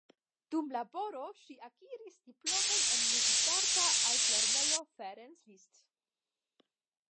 Dum laboro ŝi akiris diplomon en Muzikarta Altlernejo Ferenc Liszt.